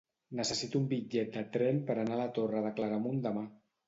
Necessito un bitllet de tren per anar a la Torre de Claramunt demà.